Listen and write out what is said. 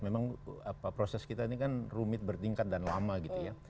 memang proses kita ini kan rumit bertingkat dan lama gitu ya